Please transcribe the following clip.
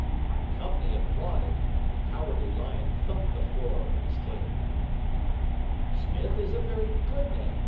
The company applauded, and the Cowardly Lion thumped the floor with his tail. "Smith is a very good name.